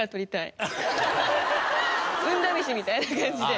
運試しみたいな感じで。